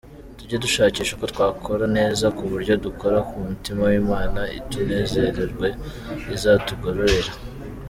Tujye dushakisha uko twakora neza ku buryo dukora ku mutima w’Imana, itunezererwe; izatugororera.